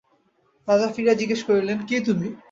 রাজা ফিরিয়া জিজ্ঞাসা করিলেন, কে তুমি?